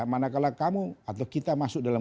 manakala kamu atau kita masuk dalam